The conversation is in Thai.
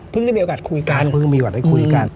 ได้มีโอกาสคุยกันเพิ่งมีโอกาสได้คุยกัน